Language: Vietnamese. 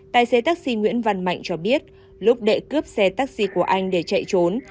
tài xế taxi nguyễn văn mạnh cho biết lúc đệ cướp xe taxi của anh để chạy trốn